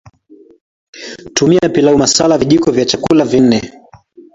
TumiaPilau masala Vijiko vya chakula nne